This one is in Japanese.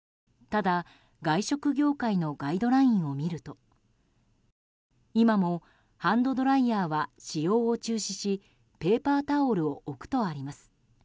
ただ、外食業界のガイドラインを見ると今もハンドドライヤーは使用を中止しペーパータオルを置くとあります。